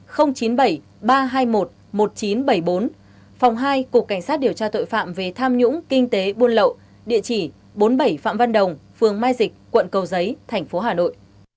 phòng hai cục cảnh sát điều tra tội phạm về tham nhũng kinh tế buôn lậu địa chỉ bốn mươi bảy phạm văn đồng phường mai dịch quận cầu giấy tp hà nội